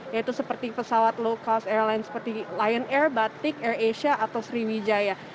yaitu seperti pesawat low cost airline seperti lion air batik air asia atau sriwijaya